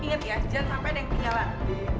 ingat ya jangan sampai ada yang ketinggalan